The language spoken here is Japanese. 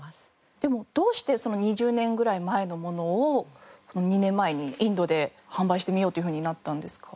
でもどうして２０年ぐらい前のものを２年前にインドで販売してみようというふうになったんですか？